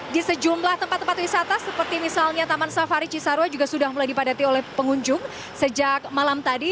di sejumlah tempat tempat wisata seperti misalnya taman safari cisarua juga sudah mulai dipadati oleh pengunjung sejak malam tadi